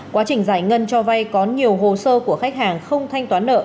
quá trình giải ngân cho vay có nhiều hồ sơ của khách hàng không thanh toán nợ